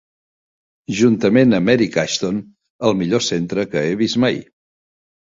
Juntament amb Eric Ashton, el millor centre que he vist mai.